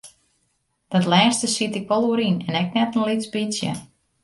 Dat lêste siet ik wol oer yn en ek net in lyts bytsje.